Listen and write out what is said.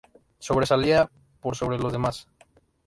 Sobresalía por sobre los demás.